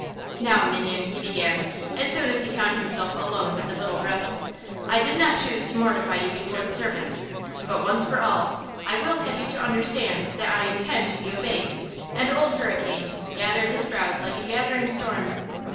"Now, minion," he began, as soon as he found himself alone with the little rebel, "I did not choose to mortify you before the servants, but, once for all, I will have you to understand that I intend to be obeyed." And Old Hurricane "gathered his brows like a gathering storm."